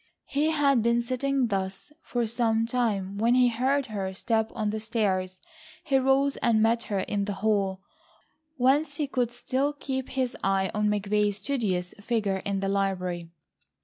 He had been sitting thus for some time, when he heard her step on the stairs. He rose and met her in the hall, whence he could still keep his eye on McVay's studious figure in the library.